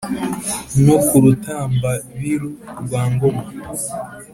No ku Rutambabiru rwa ngoma